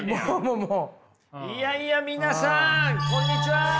いやいや皆さんこんにちは。